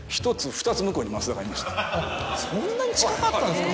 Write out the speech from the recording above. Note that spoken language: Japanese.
そんなに近かったんですか。